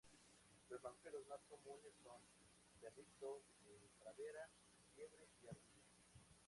Los mamíferos más comunes son: Perrito de pradera, Liebre y Ardilla.